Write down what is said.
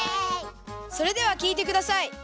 それではきいてください。